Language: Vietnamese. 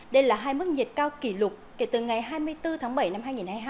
đây là hai mức nhiệt cao kỷ lục kể từ ngày hai mươi bốn tháng bảy năm hai nghìn hai mươi hai